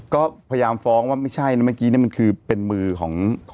ก็พยายามฟ้องว่าไม่ใช่นะเมื่อกี้นี่มันคือเป็นมือของ